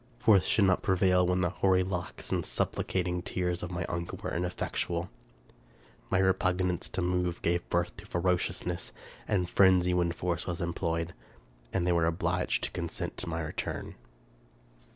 Force should not prevail when the hoary locks and supplicating tears of my uncle were ineffectual. My re pugnance to move gave birth to ferociousness and frenzy when force was employed, and they were obliged to consent to my return.